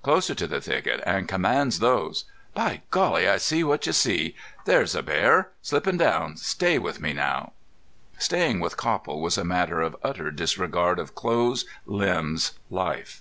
Closer to the thicket an' commands those.... By Golly, I see what you see! That's a bear, slippin' down. Stay with me now!" Staying with Copple was a matter of utter disregard of clothes, limbs, life.